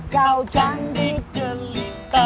kau can di jelita